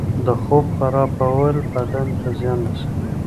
د خوب خرابول بدن ته زیان رسوي.